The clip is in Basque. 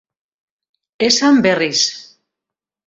Esan berriz.